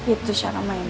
itu cara mainnya